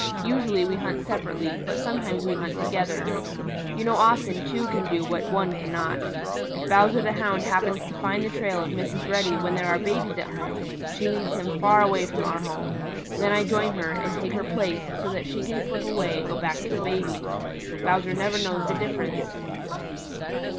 Usually we hunt separately, but sometimes we hunt together. You know often two can do what one cannot. If Bowser the Hound happens to find the trail of Mrs. Reddy when there are babies at home, she leads him far away from our home. Then I join her, and take her place so that she can slip away and go back to the babies. Bowser never knows the difference.